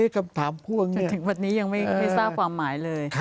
คำถามพ่วงจนถึงวันนี้ยังไม่ทราบความหมายเลย